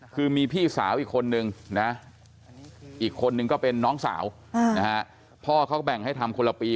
คือมีพี่สาวอีกคนนึงนะอีกคนนึงก็เป็นน้องสาวนะฮะพ่อเขาแบ่งให้ทำคนละปี